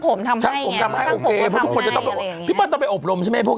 ผมทำให้ไงช่างผมก็ทำให้อะไรอย่างเงี้ยพี่ป้อนต้องไปอบรมใช่ไหมพวก